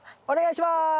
お願いします。